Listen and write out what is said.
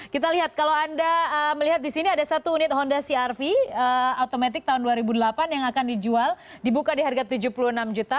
kita lihat kalau anda melihat di sini ada satu unit honda crv automatic tahun dua ribu delapan yang akan dijual dibuka di harga tujuh puluh enam juta